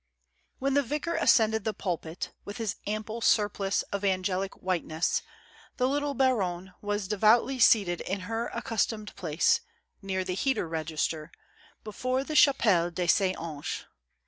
W HEN the vicar ascended the pulpit, with his ample surplice of angelic whiteness, the little baronne was devoutly seated in her accustomed place, near the heater register, before the Chapelle des Saints Anges.